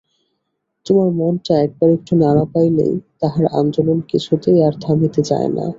তোমার মনটা একবার একটু নাড়া পাইলেই তাহার আন্দোলন কিছুতেই আর থামিতে চায় না।